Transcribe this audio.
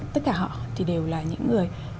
tất cả họ thì đều là những người